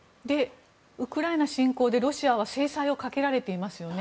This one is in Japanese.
ウクライナ侵攻でロシアは制裁をかけられていますよね。